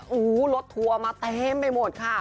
โอ้โหรถทัวร์มาเต็มไปหมดค่ะ